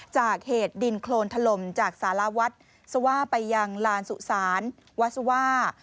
จากเหตุดินโครนถล่มจากสารวัฒน์สว่าไปยังลานสุสานวัสว่า